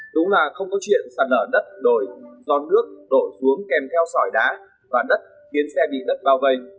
đúng là không có chuyện sạt lở đất đổi giòn nước đổi xuống kèm theo sỏi đá và đất biến xe bị đất bao vây